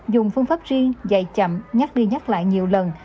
dùng phương pháp riêng dạy chậm nhắc đi nhắc lại nhiều lần